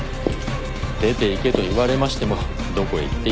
出ていけと言われましてもどこへ行っていいやら。